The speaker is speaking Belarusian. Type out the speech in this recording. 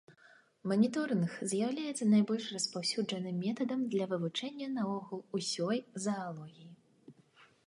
Маніторынг з'яўляецца найбольш распаўсюджаным метадам для вывучэння наогул усёй заалогіі.